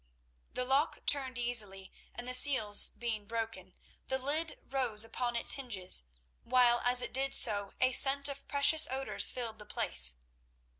The lock turned easily, and the seals being broken, the lid rose upon its hinges, while, as it did so, a scent of precious odours filled the place.